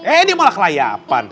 eh ini malah kelayapan